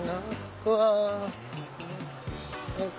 うわ。